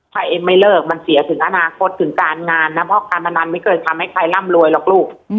ถ้าเอ็มไม่เลิกมันเสียถึงอนาคตถึงการงานนะเพราะการพนันไม่เคยทำให้ใครร่ำรวยหรอกลูก